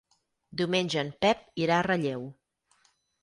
Diumenge en Pep irà a Relleu.